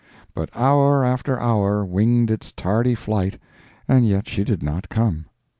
But hour after hour winged its tardy flight and yet she did not come.